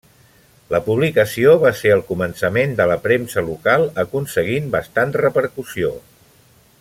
La publicació va ser el començament de la premsa local aconseguint bastant repercussió.